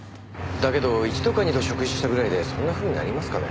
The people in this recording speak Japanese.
だけど１度か２度食事したぐらいでそんなふうになりますかね？